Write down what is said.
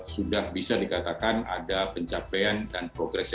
sudah bisa dikatakan ada pencapaian dan progresnya